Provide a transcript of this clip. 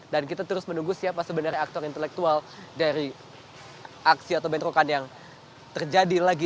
dan kita terus menunggu siapa sebenarnya aktor intelektual dari aksi atau bentrokan yang terjadi